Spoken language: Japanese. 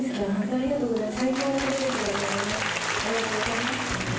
ありがとうございます。